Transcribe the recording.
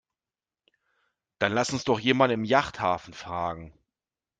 Dann lass uns doch jemanden im Yachthafen fragen.